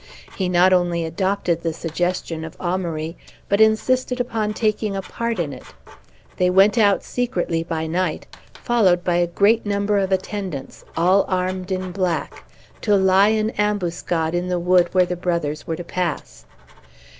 He not only adopted the suggestion of Amaury, but insisted upon taking a part in it. They went out secretly, by night, followed by a great number of attendants, all armed in black, to lie in ambuscade in the wood where the brothers were to pass.